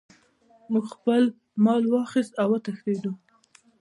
موږ خپل مال واخیست او وتښتیدو.